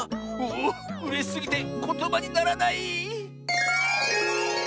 おおうれしすぎてことばにならない！